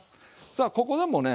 さあここでもね